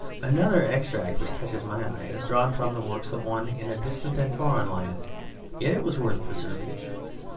Another extract which catches my eye is drawn from the works of one in a distant and foreign land. Yet it was worth preserving.